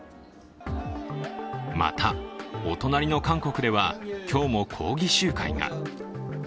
また、お隣の韓国では今日も抗議集会が。